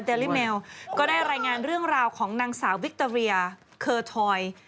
เตอรี่เมลก็ได้แรงงานเรื่องราวของนางสาววิคเตอรียาเคอร์ทอย